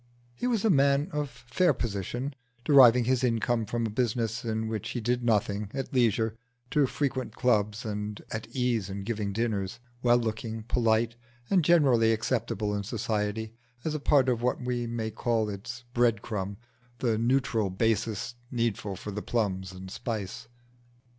He was a man of fair position, deriving his income from a business in which he did nothing, at leisure to frequent clubs and at ease in giving dinners; well looking, polite, and generally acceptable in society as a part of what we may call its bread crumb the neutral basis needful for the plums and spice.